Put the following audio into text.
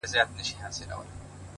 زما ياران اوس په دې شكل سـوله،